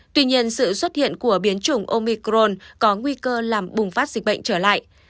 tuy nhiên sự xuất hiện của biến chủng omicron có nguy cơ làm bùng phát dịch bệnh trở lại